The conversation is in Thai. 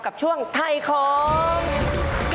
กับช่วงไทยของ